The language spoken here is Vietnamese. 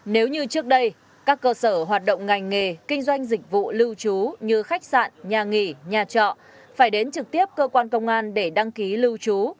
nếu như trước đây các cơ sở hoạt động ngành nghề kinh doanh dịch vụ lưu trú như khách sạn nhà nghỉ nhà trọ phải đến trực tiếp cơ quan công an để đăng ký lưu trú